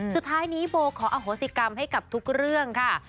สุดท้ายนี้โบขออโหสิกรรมให้กับทุกเรื่องค่ะ